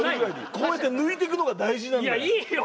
こうやって抜いていくのが大事なんだよ。